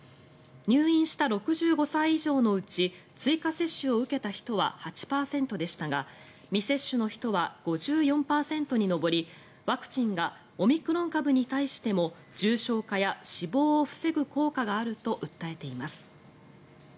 入院した６５歳以上のうち追加接種を受けた人は８％でしたが未接種の人は５４％に上りワクチンがオミクロン株に対しても重症化や死亡を防ぐ効果があると訴えています。